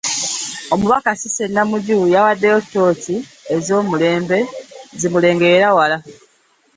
Omubaka Cissy Namujju yawaddeyo ttooci ez'omulembe zi mulengerera wala.